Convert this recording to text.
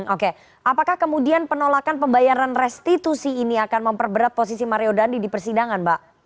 oke apakah kemudian penolakan pembayaran restitusi ini akan memperberat posisi mario dandi di persidangan mbak